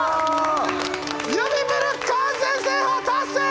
指プル完全制覇達成！